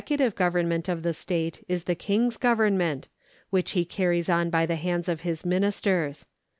§119] PERSONS 295 tive government of the state is the King's government, which he carries on by the hands of his ministers.